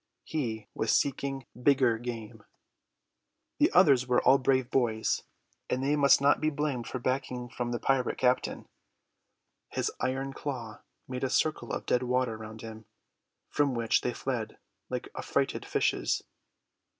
He was seeking bigger game. The others were all brave boys, and they must not be blamed for backing from the pirate captain. His iron claw made a circle of dead water round him, from which they fled like affrighted fishes.